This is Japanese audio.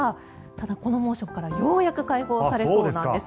ただ、この猛暑からようやく解放されそうなんです。